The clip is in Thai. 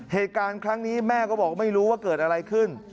เหตุการณ์ครั้งนี้แม่ก็บอกไม่รู้ว่าเกิดอะไรขึ้น